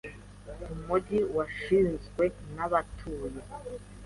Umujyi wasizwe nabatuye.